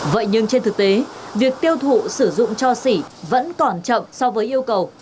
vậy nhưng trên thực tế việc tiêu thụ sử dụng cho xỉ vẫn còn chậm so với yêu cầu